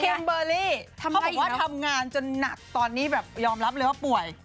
เบอร์รี่เขาบอกว่าทำงานจนหนักตอนนี้แบบยอมรับเลยว่าป่วย